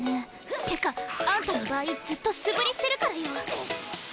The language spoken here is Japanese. ってかあんたの場合ずっと素振りしてるからよ。